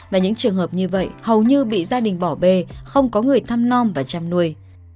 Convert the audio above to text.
và những trường hợp như vậy hầu như bị gia đình bỏ bê không có người thăm non và chăm nuôi